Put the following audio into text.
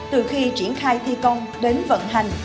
từ khi triển khai thi công đến vận hành